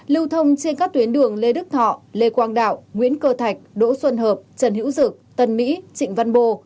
lưu thông trên các tuyến đường lê đức thọ lê quang đạo nguyễn cơ thạch đỗ xuân hợp trần hữu dực tân mỹ trịnh văn bồ